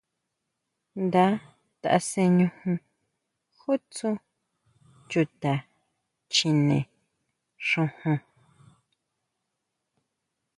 Nda taseñujun ju tsú chuta chjine xojon.